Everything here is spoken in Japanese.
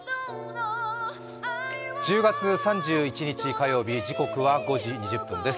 １０月３１日、火曜日、時刻は５時２０分です。